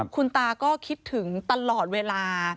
คุณตาก็คิดถึงตลอดเวลา